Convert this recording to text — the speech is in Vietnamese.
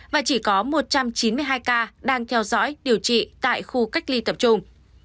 và chỉ có một trăm chín mươi hai ca đang theo dõi điều trị tại khu cách ly tập trung